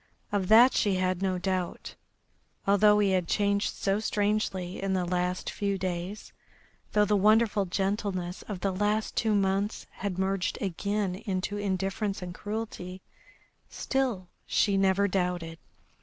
Of that she had no doubt. Although he had changed so strangely in the last few days, though the wonderful gentleness of the last two months had merged again into indifference and cruelty, still she never doubted.